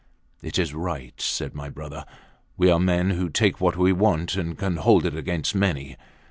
It is right, said my brother. We are men who take what we want and can hold it against many.